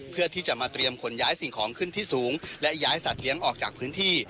เพื่อที่จะมาเตรียมขนย้ายสิ่งของขึ้นที่สูงและย้ายสัตว์เลี้ยงออกจากพื้นที่